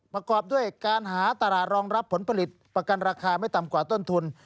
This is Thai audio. ประกอบด้วยการหาตลาดรองรับผลผลิตประกันราคาไม่ต่ำกว่าต้นทุน